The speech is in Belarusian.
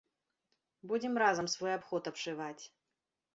Будзем разам свой абход абшываць.